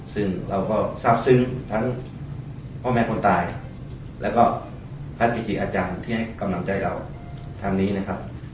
ซึ่งเราก็ทราบซึ้งทั้งพ่อแม่คนตายแล้วก็พระพิธีอาจารย์ที่ให้กำลังใจเราทางนี้นะครับ